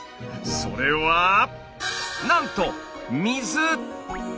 それはなんと水！